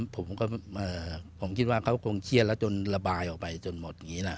ผมก็ผมคิดว่าเขาคงเครียดแล้วจนระบายออกไปจนหมดอย่างนี้นะ